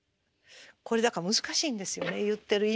これだから難しいんですよね言ってる意味が。